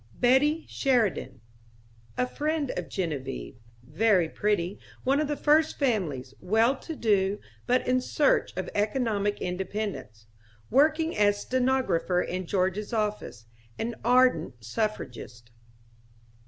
Betty Sheridan... A friend of Genevieve. Very pretty; one of the first families, well to do but in search of economic independence. Working as stenographer in George's office; an ardent Suffragist.